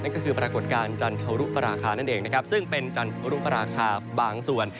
ปรากฏการณ์จันทรุปราคานั่นเองนะครับซึ่งเป็นจันทรุปราคาบางส่วน